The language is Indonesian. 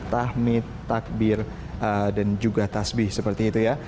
tahmi takbir dan juga tasbih seperti itu ya